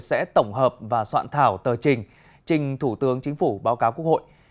sẽ tổng hợp và soạn thảo tờ trình trình thủ tướng chính phủ báo cáo quốc hội